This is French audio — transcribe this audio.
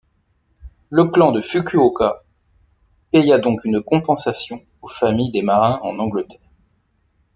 Le clan de Fukuoka paya donc une compensation aux familles des marins en Angleterre.